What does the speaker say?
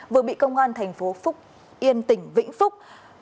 vừa bị công an tp phúc yên tỉnh vĩnh phúc